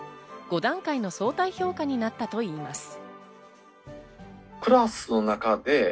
５段階の相対評価になったといいます。